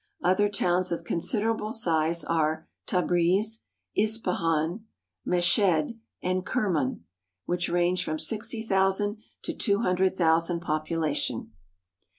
Other towns of considerable size are Tabriz (ta brez'), Ispahan (is pa han'). Meshed (mesh hed'), and Kerman (ker man'), which range from sixty thousand to two hun dred thousand in population.